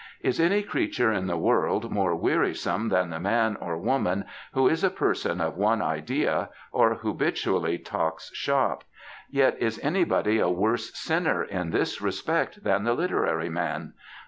Is any creature in the world more wearisome than the man or woman who is a person of one idea, or who habitually TRIALS OF A WIFE 105 talks ^^shop^? Yet b anybody a worse sinner in this respect than the literary man